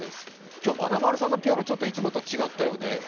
今日、まなまるさんのピアノ、いつもと違ってたよね。